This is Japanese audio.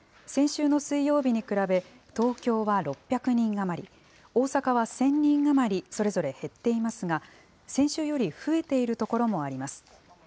先週の水曜日に比べ東京は６００人余り、大阪は１０００人余りそれぞれ減っていますが先週より増えているところもあります。